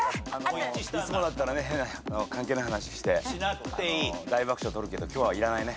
いつもだったらね関係ない話して大爆笑取るけど今日はいらないね。